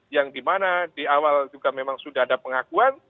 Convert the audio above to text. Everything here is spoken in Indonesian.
yang dimana di awal juga memang sudah ada pengakuan